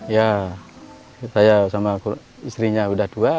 ya saya sama istrinya sudah dua